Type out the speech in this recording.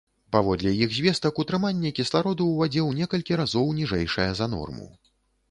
Паводле іх звестак, утрыманне кіслароду ў вадзе ў некалькі разоў ніжэйшае за норму.